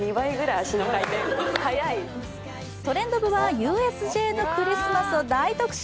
「トレンド部」はＵＳＪのクリスマスを大特集。